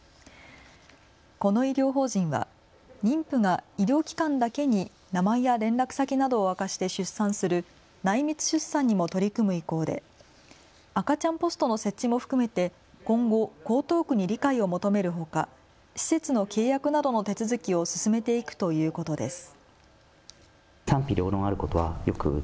この医療法人は妊婦が医療機関だけに名前や連絡先などを明かして出産する内密出産にも取り組む意向で赤ちゃんポストの設置も含めて今後、江東区に理解を求めるほか施設の契約などの手続きを進めていくということです。